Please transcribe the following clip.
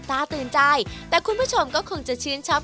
ตาตื่นใจแต่คุณผู้ชมก็คงจะชื่นชอบ